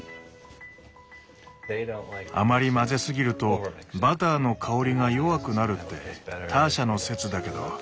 あまり混ぜすぎるとバターの香りが弱くなるってターシャの説だけど。